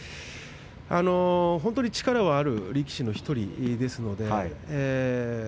本当に力のある力士の１人ですのでね。